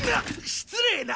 失礼な！